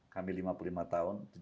kami lima puluh lima tahun